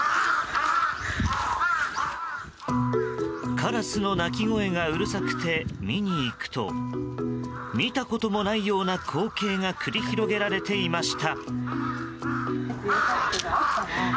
カラスの鳴き声がうるさくて見に行くと見たこともないような光景が繰り広げられていました。